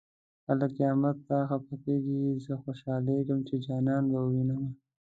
خلک قيامت ته خفه کيږي زه خوشالېږم چې جانان به ووينمه